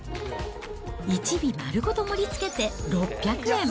１尾丸ごと盛りつけて６００円。